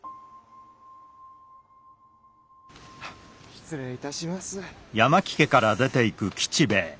失礼いたします。